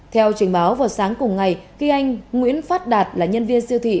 theo trình báo vào sáng cùng ngày khi anh nguyễn phát đạt là nhân viên siêu thị